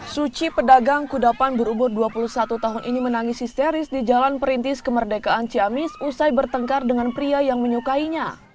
suci pedagang kudapan berumur dua puluh satu tahun ini menangis histeris di jalan perintis kemerdekaan ciamis usai bertengkar dengan pria yang menyukainya